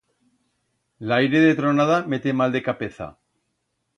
L'aire de tronada mete mal de capeza.